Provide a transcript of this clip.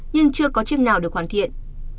nhưng chưa có chiếc nào được hoàn thiện